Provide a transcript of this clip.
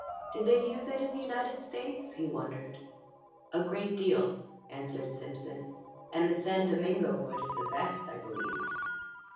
Did they use it in the United States, he wondered? "A great deal," answered Simpson. "And the San Domingo wood is the best, I believe."